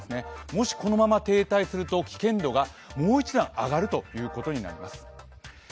もし、このまま停滞すると危険度がもう１段上がるということになりますね。